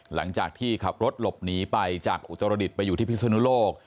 หลังจากที่ขับรถหลบหนีไปจากอุตรดิษฐ์ไปอยู่ที่พิศนุโลก